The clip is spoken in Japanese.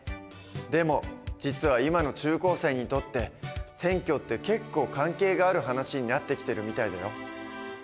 でも実は今の中高生にとって選挙って結構関係がある話になってきてるみたいだよ。